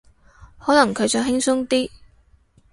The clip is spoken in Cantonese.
可能佢想輕鬆啲